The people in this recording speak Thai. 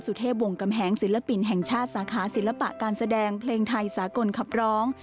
เทพวงกำแหงศิลปินแห่งชาติสาขาศิลปะการแสดงเพลงไทยสากลขับร้อง